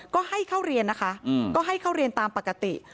ก็ให้เข้าเรียนนะคะก็ให้เข้าเรียนตามปกติ